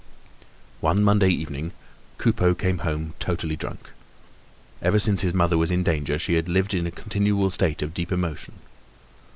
One Monday evening, Coupeau came home totally drunk. Ever since his mother was in danger, he had lived in a continual state of deep emotion.